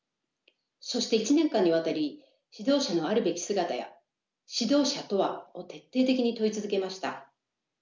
そして１年間にわたり指導者のあるべき姿や指導者とは？を徹底的に問い続けました。